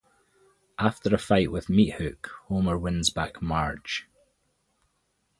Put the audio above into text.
After a fight with Meathook, Homer wins back Marge.